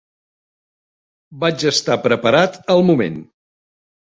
Vaig estar preparat al moment.